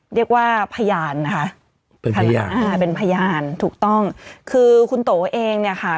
เรียกว่าพยานนะคะเป็นพยานถูกต้องคือคุณโตเองเนี่ยค่ะ